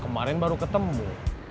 kemarin baru ketemu